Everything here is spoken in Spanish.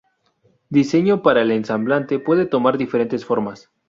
Diseño para el ensamble puede tomar diferentes formas.